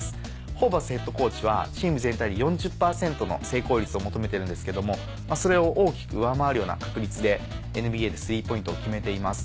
ホーバスヘッドコーチはチーム全体に４０％の成功率を求めてるんですけどもそれを大きく上回るような確率でＮＢＡで３ポイントを決めています。